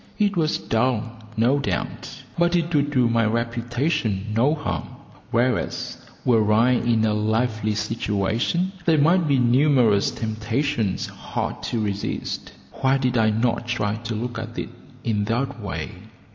It was dull, no doubt, but it would do my reputation no harm, whereas, were I in a lively situation, there might be numerous temptations hard to resist. Why did I not try to look at it in that way?